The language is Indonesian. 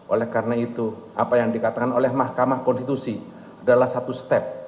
oleh karena itu apa yang dikatakan oleh mahkamah konstitusi adalah satu step